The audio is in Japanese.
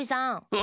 あ！